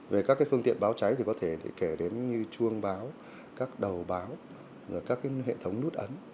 về các phương tiện báo cháy thì có thể kể đến như chuông báo các đầu báo các hệ thống nút ấn